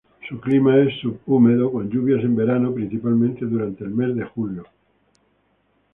Su clima es subhúmedo con lluvias en verano, principalmente durante el mes de julio.